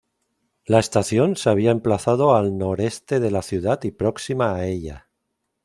La estación se había emplazado al noreste de la ciudad y próxima a ella.